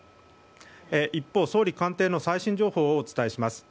一方、総理官邸の最新情報をお伝えします。